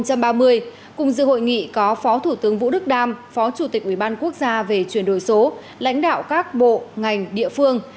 cùng dự hội nghị có phó thủ tướng vũ đức đam phó chủ tịch ubnd về chuyển đổi số lãnh đạo các bộ ngành địa phương